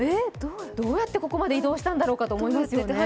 どうやってここまで移動したんだろうかと思いますよね。